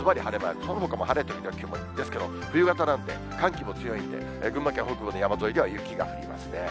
そのほかも晴れ時々曇りですけど、冬型なんで、寒気も強いんで、群馬県北部の山沿いでは雪が降りますね。